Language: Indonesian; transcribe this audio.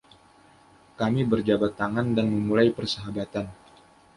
Kami berjabat tangan dan memulai persahabatan.